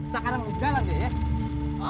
sekarang jalan deh ya